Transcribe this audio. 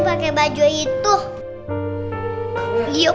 ibu cantik pakai baju itu iya bu cantik banget